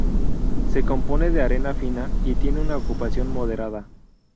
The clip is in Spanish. Se compone de arena fina y tiene una ocupación moderada.